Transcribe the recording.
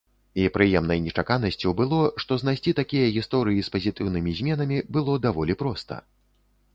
І прыемнай нечаканасцю было, што знайсці такія гісторыі з пазітыўнымі зменамі было даволі проста.